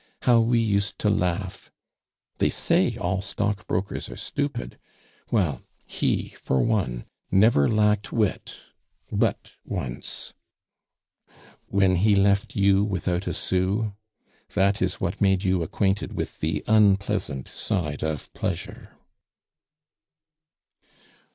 How we used to laugh! They say all stockbrokers are stupid. Well, he, for one, never lacked wit but once " "When he left you without a sou? That is what made you acquainted with the unpleasant side of pleasure."